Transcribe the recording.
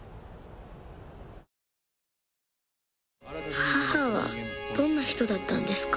母はどんな人だったんですか？